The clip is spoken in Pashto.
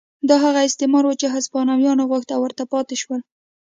دا هغه استعمار و چې هسپانویانو غوښت او ورته پاتې شول.